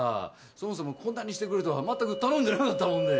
そもそもこんなにしてくれるとは全く頼んでなかったもんで。